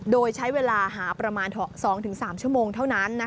โดยใช้เวลาหาประมาณ๒๓ชั่วโมงเท่านั้น